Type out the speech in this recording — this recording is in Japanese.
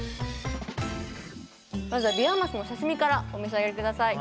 まずはビワマスの刺身からお召し上がり下さい。